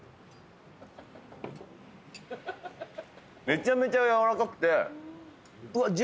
めちゃめちゃやわらかくてジューシー。